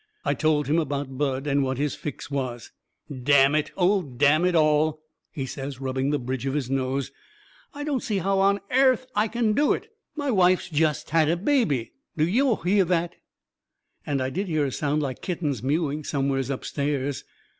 I told him about Bud, and what his fix was. "Damn it oh, damn it all," he says, rubbing the bridge of his nose, "I don't see how on AIRTH I kin do it. My wife's jest had a baby. Do yo' hear that?" And I did hear a sound like kittens mewing, somewheres up stairs.